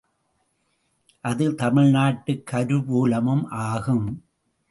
அது தமிழ்நாட்டுக் கருவூலமும் ஆகும்.